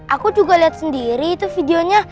aku juga lihat sendiri itu videonya